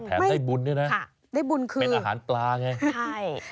แถมได้บุญด้วยนะเป็นอาหารปลาไง